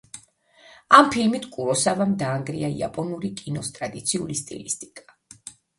ამ ფილმით კუროსავამ დაანგრია იაპონური კინოს ტრადიციული სტილისტიკა.